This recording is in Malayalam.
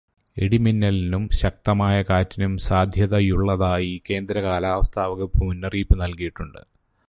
ഇടിമിന്നലിനും ശക്തമായ കാറ്റിനും സാധ്യതയുള്ളതായി കേന്ദ്ര കാലാവസ്ഥാ വകുപ്പ് മുന്നറിയിപ്പ് നൽകിയിട്ടുണ്ട്.